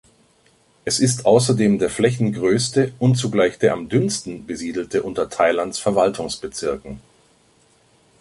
Es ist außerdem der flächengrößte und zugleich der am dünnsten besiedelte unter Thailands Verwaltungsbezirken.